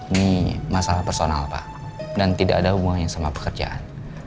ini masalah personal pak dan tidak ada hubungannya sama pekerjaan